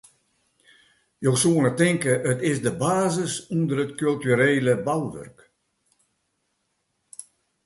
Jo soene tinke, it is de basis ûnder it kulturele bouwurk.